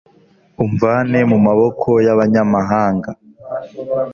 umvane mu maboko y’abanyamahanga